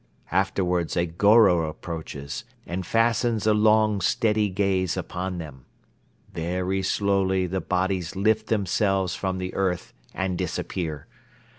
Afterwards a Goro approaches and fastens a long, steady gaze upon them. Very slowly the bodies lift themselves from the earth and disappear.